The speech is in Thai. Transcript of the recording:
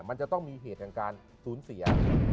มันจะต้องมีเหตุแห่งการสูญเสีย